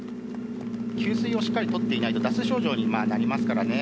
給水をしっかりとっていないと脱水症状になりますからね。